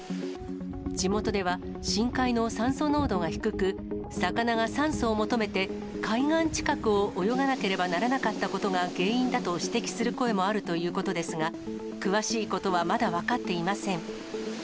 地元では、深海の酸素濃度が低く、魚が酸素を求めて海岸近くを泳がなければならなかったことが原因だと指摘する声もあるということですが、詳しいことはまだ分かっていません。